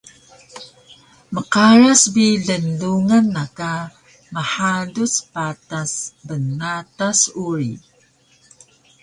Mqaras bi lnglungan na ka mhaduc patas bnatas uri